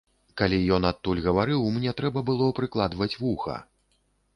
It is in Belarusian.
Калі ён адтуль гаварыў, мне трэба было прыкладваць вуха.